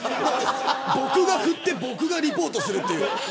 僕が振って僕がリポートするという。